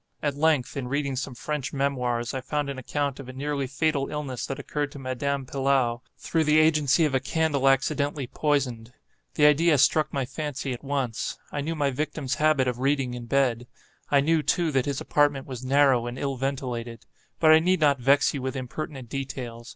At length, in reading some French memoirs, I found an account of a nearly fatal illness that occurred to Madame Pilau, through the agency of a candle accidentally poisoned. The idea struck my fancy at once. I knew my victim's habit of reading in bed. I knew, too, that his apartment was narrow and ill ventilated. But I need not vex you with impertinent details.